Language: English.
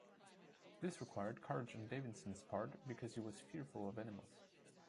This required courage on Davidson's part, because he was fearful of animals.